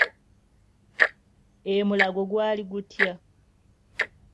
E Mulago gwali gutya?